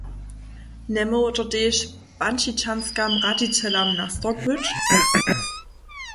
Njemóhł to tež Pančičanskim radźićelam nastork być?